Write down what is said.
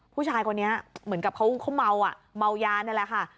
ผู้ชายคนนี้เหมือนกับเขาเมาอ่ะเมายานี่แหละค่ะ